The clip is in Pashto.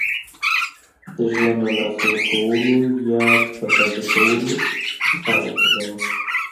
د ژوند له لاسه ورکولو یاد په تازه کولو سر وخوځاوه.